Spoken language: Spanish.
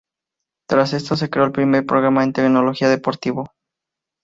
Tras esto se creó el primer programa en Tecnología Deportivo.